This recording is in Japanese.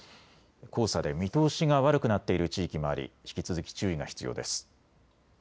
黄砂で見通しが悪くなっている地域もあり引き続き注意が必要です。